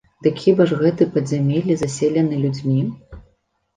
Дык хіба ж гэты падзямеллі заселены людзьмі?